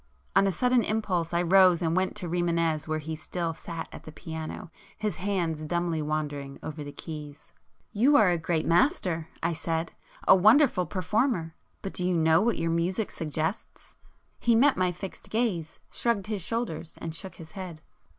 On a sudden impulse I rose and went to Rimânez where he still sat at the piano, his hands dumbly wandering over the keys. "You are a great master"—I said—"A wonderful performer! But do you know what your music suggests?" He met my fixed gaze, shrugged his shoulders, and shook his head.